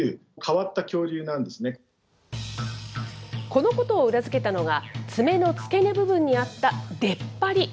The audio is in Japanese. このことを裏付けたのが、爪の付け根部分にあった出っ張り。